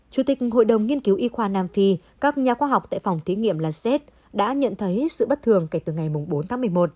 chủ tịch hội đồng nghiên cứu y khoa nam phi các nhà khoa học tại phòng thí nghiệm laset đã nhận thấy sự bất thường kể từ ngày bốn tháng một mươi một